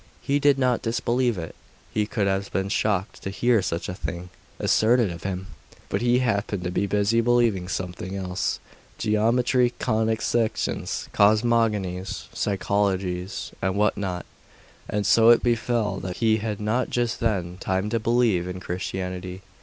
He did not disbelieve it; he would have been shocked to hear such a thing asserted of him: but he happened to be busy believing something else geometry, conic sections, cosmogonies, psychologies, and what not. And so it befell that he had not just then time to believe in Christianity.